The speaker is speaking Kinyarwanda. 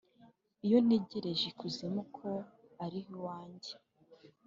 iyo ntegereje ikuzimu ko ari ho iwanjye,